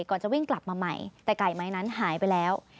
ก่อนจะวิ่งกลับมาใหม่แต่ไก่ไม้นั้นหายไปแล้ว